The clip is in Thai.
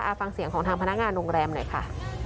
ฟังเสียงของทางพนักงานโรงแรมหน่อยค่ะ